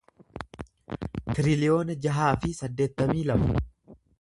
tiriliyoona jaha fi saddeettamii lama